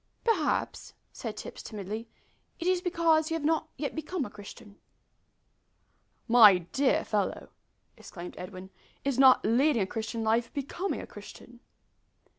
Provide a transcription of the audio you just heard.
"Perhaps," said Tipps, timidly, "it is because you have not yet become a Christian." "My dear fellow!" exclaimed Edwin, "is not leading a Christian life becoming a Christian?"